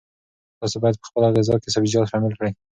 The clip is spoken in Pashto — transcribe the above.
تاسي باید په خپله غذا کې سبزیجات شامل کړئ.